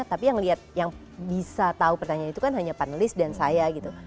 tapi yang lihat yang bisa tahu pertanyaan itu kan hanya panelis dan saya gitu